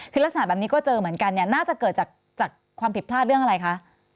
คือลักษณะแบบนี้ก็เจอเหมือนกันเนี่ยน่าจะเกิดจากความผิดพลาดเรื่องอะไรคะ